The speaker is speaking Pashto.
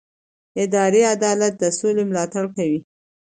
اداري عدالت د سولې ملاتړ کوي